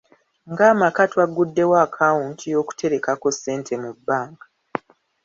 Ng'amaka twaguddewo akawunti y'okuterekako ssente mu bbanka.